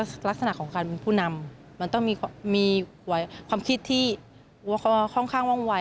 มันต้องเป็นลักษณะของการเป็นผู้นำมันต้องมีความคิดที่ค่อนข้างว่างไว